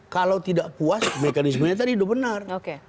kalau tidak puas mekanismenya itu benar